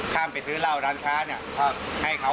ข้ามไปซื้อเหล้าร้านค้าเนี่ยให้เขา